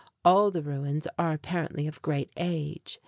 All the ruins are apparently of great age.